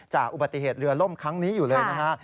จากอุบัติเหตุเรือล่มครั้งนี้อยู่เลยนะฮะ